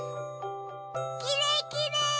きれいきれい！